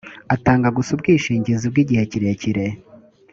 atanga gusa ubwishingizi bw’igihe kirerekire